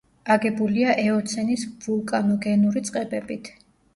აგებულია ეოცენის ვულკანოგენური წყებებით.